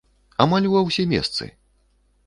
Амаль ува ўсе месцы!